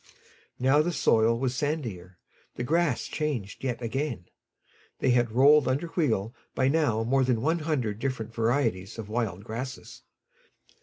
Now the soil was sandier; the grass changed yet again. They had rolled under wheel by now more than one hundred different varieties of wild grasses.